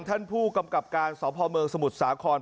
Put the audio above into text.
ท่านผู้กำกับการสพเมืองสมุทรสาคร